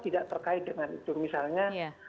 tidak terkait dengan itu misalnya